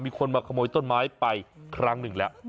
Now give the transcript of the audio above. มีคนมาขโมยต้นไม้ไปครั้งหนึ่งแล้ว